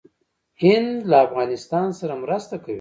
هند له افغانستان سره مرسته کوي.